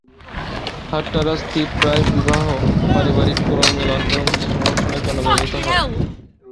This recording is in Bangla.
হাট্টারাস দ্বীপ প্রায়ই বিবাহ, পারিবারিক পুনর্মিলন এবং বিশেষ অনুষ্ঠানের জন্য ব্যবহৃত হয়।